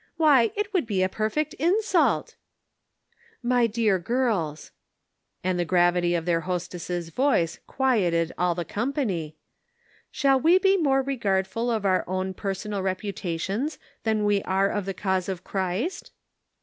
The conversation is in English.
Why, it would be a perfect insult !"" My dear girls "— and the gravity of. their hostess' voice quieted all the company — shall we be more regardful of our own personal reputations than we are of the cause of Christ